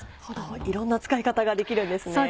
いろんな使い方ができるんですね。